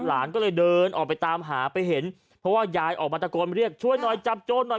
หลานก็เลยเดินออกไปตามหาไปเห็นเพราะว่ายายออกมาตะโกนเรียกช่วยหน่อยจับโจรหน่อย